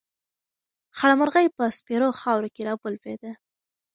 خړه مرغۍ په سپېرو خاورو کې راولوېده.